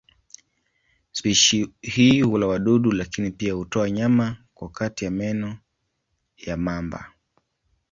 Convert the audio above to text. Spishi hii hula wadudu lakini pia hutoa nyama kwa kati ya meno ya mamba.